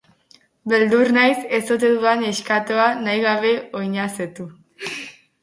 Beldur naiz ez ote dudan neskatoa nahi gabe oinazetu!